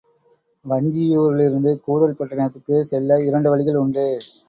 வஞ்சியூரிலிருந்து கூடல் பட்டணத்திற்குச் செல்ல இரண்டு வழிகள் உண்டு.